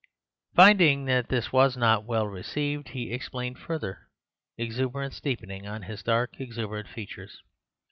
Finding that this was not well received, he explained further, exuberance deepening on his dark exuberant features.